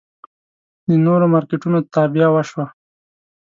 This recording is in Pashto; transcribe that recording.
د نورو مارکېټونو تابیا وشوه.